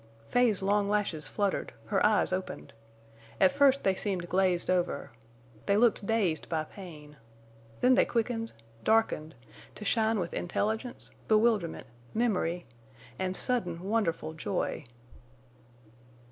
Fay's long lashes fluttered; her eyes opened. At first they seemed glazed over. They looked dazed by pain. Then they quickened, darkened, to shine with intelligence—bewilderment—memory—and sudden wonderful joy.